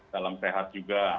salam sehat juga